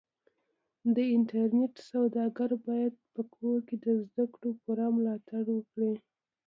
د انټرنېټ سوداګر بايد په کور کې د زدهکړو پوره ملاتړ وکړي.